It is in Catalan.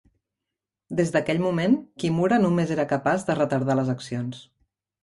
Des d'aquell moment, Kimura només era capaç de retardar les accions.